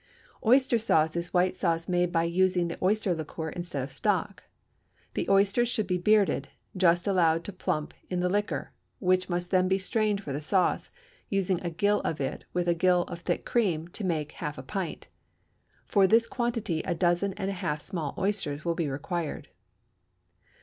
Oyster sauce is white sauce made by using the oyster liquor instead of stock. The oysters should be bearded, just allowed to plump in the liquor, which must then be strained for the sauce, using a gill of it with a gill of thick cream to make half a pint; for this quantity a dozen and a half of small oysters will be required.